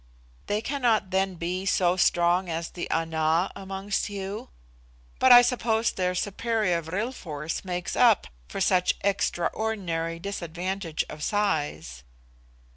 "They cannot then be so strong as the Ana amongst you? But I suppose their superior vril force makes up for such extraordinary disadvantage of size?"